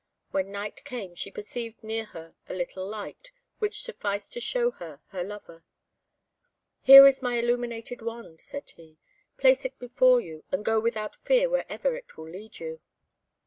When night came, she perceived near her a little light, which sufficed to show her her lover. "Here is my illuminated wand," said he: "place it before you, and go without fear wherever it will lead you.